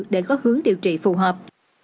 để có hướng điều trị phù hợp